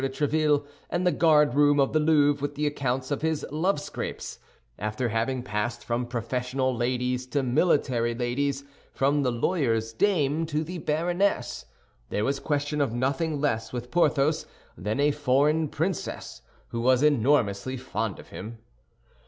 de Tréville and the guardroom of the Louvre with the accounts of his love scrapes, after having passed from professional ladies to military ladies, from the lawyer's dame to the baroness, there was question of nothing less with Porthos than a foreign princess, who was enormously fond of him.